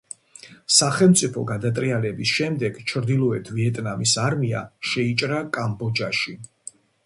სახელმწიფო გადატრიალების შემდეგ ჩრდილოეთ ვიეტნამის არმია შეიჭრა კამბოჯაში.